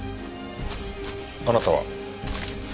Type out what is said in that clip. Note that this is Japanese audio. あなたは？